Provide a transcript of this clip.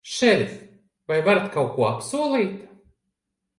Šerif, vai varat kaut ko apsolīt?